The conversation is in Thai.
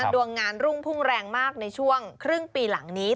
ดวงงานรุ่งพุ่งแรงมากในช่วงครึ่งปีหลังนี้